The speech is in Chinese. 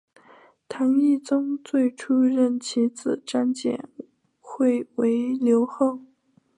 唐懿宗最初任其子张简会为留后。